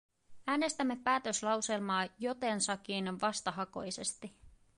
Äänestämme päätöslauselmaa jotensakin vastahakoisesti.